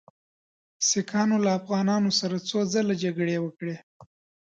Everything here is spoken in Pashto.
سیکهانو له افغانانو سره څو ځله جګړې وکړې.